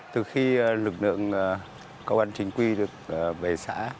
từ khi lực lượng cơ quan chính quy được bề xã